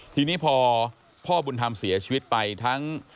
ทีนี้พอพ่อบุญธรรมเสียชีวิตไปทั้ง